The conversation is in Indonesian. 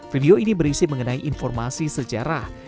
video ini berisi mengenai informasi sejarah